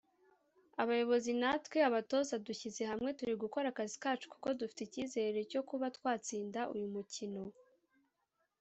abayobozi natwe abatoza dushyize hamwe turi gukora akazi kacu kuko dufite icyizere cyo kuba twatsinda uyu mukino